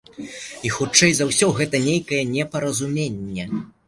І, хутчэй за ўсё, гэта нейкае непаразуменне.